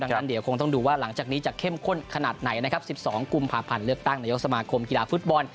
ดังนั้นเดี๋ยวคงต้องดูว่าหลังจากนี้จะเข้มข้นขนาดไหนนะครับ๑๒กุมภาพันธ์เลือกตั้งนายกสมาคมกีฬาฟุตบอล